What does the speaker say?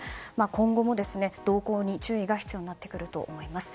今後も動向に注意が必要になってくると思います。